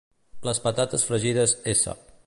Les patates fregides s